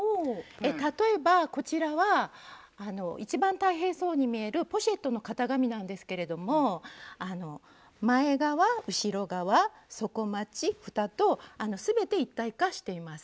例えばこちらは一番大変そうに見えるポシェットの型紙なんですけれども前側後ろ側底まちふたと全て一体化しています。